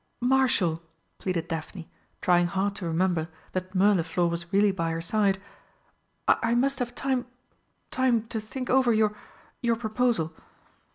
"Marshal," pleaded Daphne, trying hard to remember that Mirliflor was really by her side, "I must have time time to think over your your proposal."